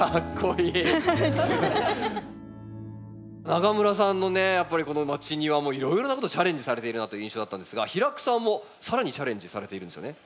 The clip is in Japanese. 永村さんのねやっぱりこのまちニワもいろいろなことチャレンジされているなという印象だったんですが平工さんも更にチャレンジされているんですよね？